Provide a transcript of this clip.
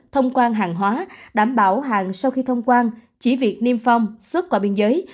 thông quan hàng hóa đảm bảo hàng sau khi thông quan chỉ việc niêm phong xuất qua biên giới